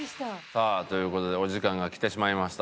さあという事でお時間がきてしまいました。